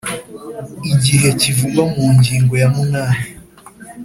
igihe kivugwa mu ngingo ya munani